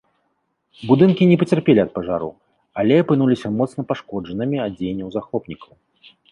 Будынкі не пацярпелі ад пажару, але апынуліся моцна пашкоджанымі ад дзеянняў захопнікаў.